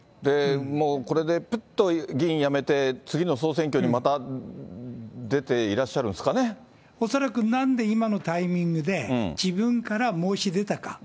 もうこれでぷっと議員辞めて、次の総選挙にまた出ていらっしゃ恐らく、なんで今のタイミングで、自分から申し出たか。